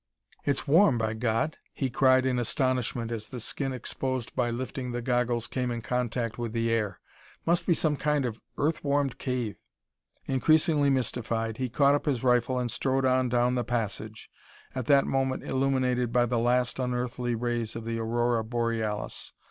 "It's warm, by God!" he cried in astonishment as the skin exposed by lifting the goggles came in contact with the air. "Must be some kind of earth warmed cave." Increasingly mystified, he caught up his rifle and strode on down the passage, at that moment illuminated by the last unearthly rays of the aurora borealis.